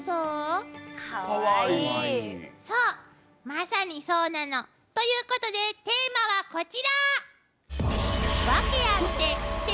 まさにそうなの。ということでテーマはこちら！